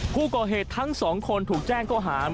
ผู้ก่อเหตุทั้งสองคนถูกแจ้งก็หาม